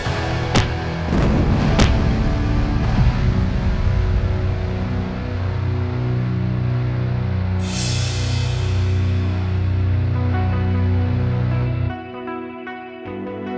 sampai jumpa di video selanjutnya